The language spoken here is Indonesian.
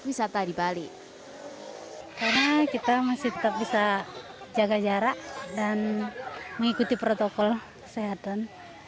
karena kita masih tetap bisa jaga jarak dan mengikuti protokol kesehatan